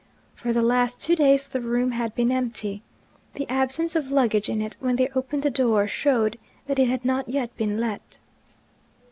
For the last two days the room had been empty. The absence of luggage in it, when they opened the door, showed that it had not yet been let.